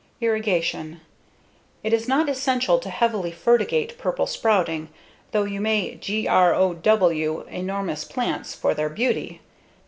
Irrigation: It is not essential to heavily fertigate Purple Sprouting, though you may G R O W enormous plants for their beauty.